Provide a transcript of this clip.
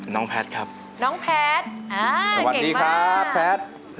น้องแพทย์ครับน้องแพทย์สวัสดีครับแพทย์